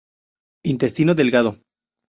Intestino delgado.